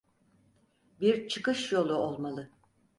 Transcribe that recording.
Bir çıkış yolu olmalı.